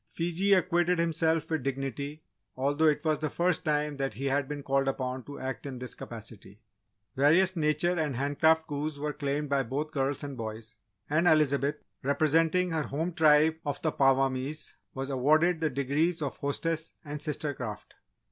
Fiji acquitted himself with dignity, although it was the first time that he had been called upon to act in this capacity. Various Nature and Handcraft coups were claimed by both girls and boys, and Elizabeth, representing her home tribe of the Apawamis, was awarded the Degrees of Hostess and Sister Craft.